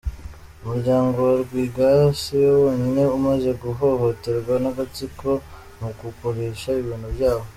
Umurwango wa Rwigara siwo wonyine umaze guhohoterwa n’agatsiko mu kugurisha ibintu byabo.